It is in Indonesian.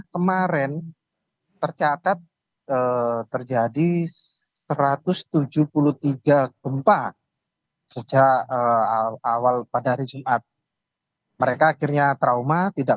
kemarin tercatat terjadi satu ratus tujuh puluh tiga gempa sejak awal pada hari jumat mereka akhirnya trauma tidak